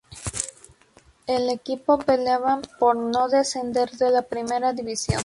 El equipo peleaban por no descender de la Primera División.